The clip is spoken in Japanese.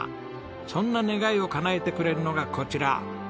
そんな願いをかなえてくれるのがこちらクラインガルテン。